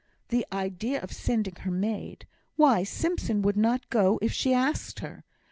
The idea of sending her maid! Why, Simpson would not go if she asked her.